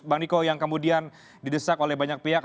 bang niko yang kemudian didesak oleh banyak pihak